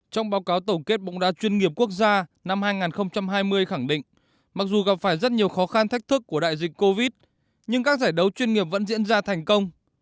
trong báo cáo tổng kết bóng đá chuyên nghiệp quốc gia năm hai nghìn hai mươi khẳng định mặc dù gặp phải rất nhiều khó khăn thách thức của đại dịch covid nhưng các giải đấu chuyên nghiệp vẫn diễn ra thành công